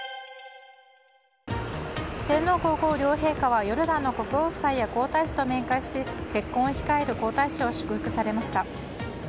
天皇・皇后両陛下はヨルダンの国王夫妻や皇太子と面会し結婚を控える皇太子を祝福されました。